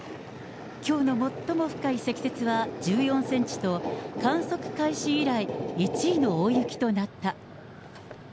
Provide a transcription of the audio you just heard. きょうの最も深い積雪は１４センチと、観測開始以来１位の大雪となった。